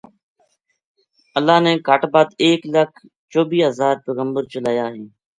اللہ نے کہٹ بدھ ایک لکھ چبی ہزار پیغمبر چلایا ہیں۔